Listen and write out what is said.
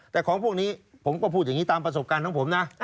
แต่ของพวกนี้ผมก็พูดอย่างนี้ตามประสบการณ์ของผมนะ